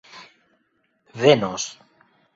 venos